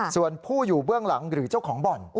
ส่วนผู้อยู่เบื้องหลังหรือเจ้าของบ่อน